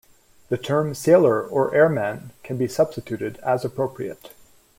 The term "Sailor" or "Airman" can be substituted, as appropriate.